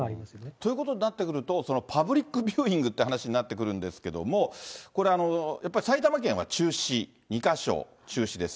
ということになってくると、パブリックビューイングという話になってくるんですけれども、やっぱり埼玉県は中止、２か所中止です。